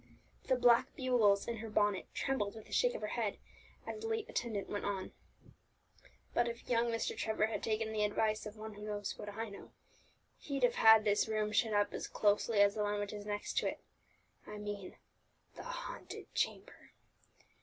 The black bugles in her bonnet trembled with the shake of her head, as the late attendant went on, "But if young Mr. Trevor had taken the advice of one who knows what I know, he'd have had this room shut up as closely as the one which is next to it, I mean the haunted chamber!"